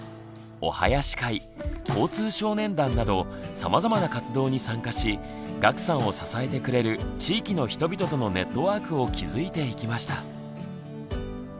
お囃子会交通少年団などさまざまな活動に参加し岳さんを支えてくれる地域の人々とのネットワークを築いていきました。